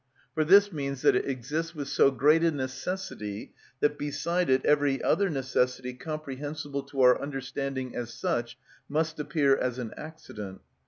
For this means that it exists with so great a necessity that beside it every other necessity comprehensible to our understanding as such must appear as an accident.